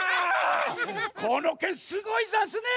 このけんすごいざんすね。